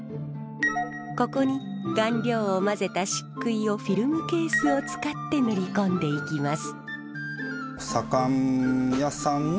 ここに顔料を混ぜたしっくいをフィルムケースを使って塗り込んでいきます。